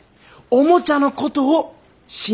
おもちゃのことを？